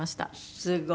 すごい。